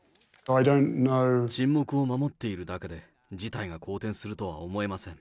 沈黙を守っているだけで、事態が好転するとは思えません。